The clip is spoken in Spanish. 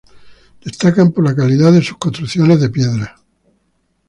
Destacan por la calidad de sus construcciones de piedra.